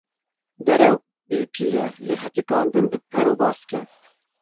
Derew bêpî ye, lê hetîkandin bi per û bask e.